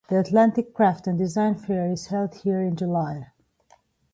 The Atlantic Craft and Design Fair is held here in July.